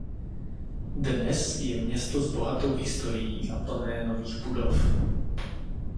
Dnes je město s bohatou historií a plné nových budov.